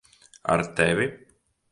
Ar tevi?